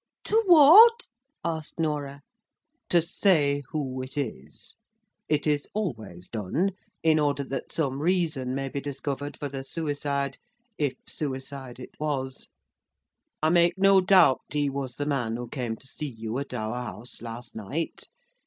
"To what?" asked Norah. "To say who it is. It is always done, in order that some reason may be discovered for the suicide—if suicide it was. I make no doubt he was the man who came to see you at our house last night.